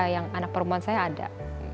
yang anak perempuan saya ada